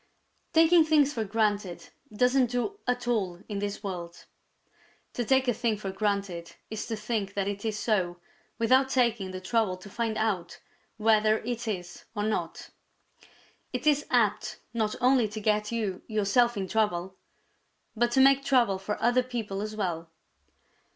_ Taking things for granted doesn't do at all in this world. To take a thing for granted is to think that it is so without taking the trouble to find out whether it is or not. It is apt not only to get you yourself into trouble, but to make trouble for other people as well.